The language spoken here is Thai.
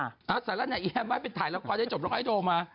อ๊าแต่ละเนี่ยอีแอมไม่ไปถ่ายละครยังได้จบรอกให้โทรมา